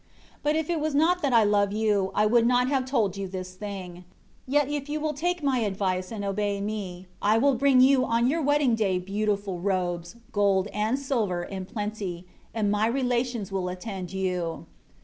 7 But if it was not that I love you, I would not have told you this thing. Yet if you will take my advice, and obey me, I will bring to you on your wedding day beautiful robes, gold and silver in plenty, and my relations will attend you."